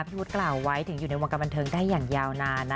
พี่วุฒิกล่าวไว้ถึงอยู่ในวงการบันเทิงได้อย่างยาวนานนะ